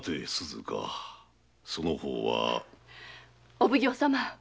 お奉行様！